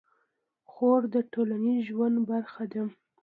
خور د ټولنیز ژوند برخه ده.